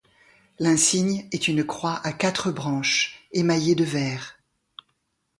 L'insigne est une croix à quatre branches, émaillées de vert.